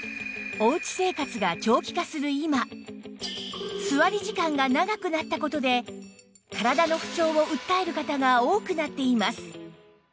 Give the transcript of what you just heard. おうち生活が長期化する今座り時間が長くなった事で体の不調を訴える方が多くなっています